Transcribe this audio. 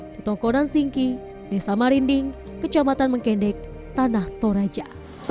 di tokonan singki desa marinding kecamatan mengkendek tanah toraja